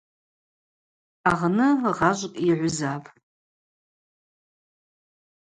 Агъны гъажвкӏ йгӏвызапӏ.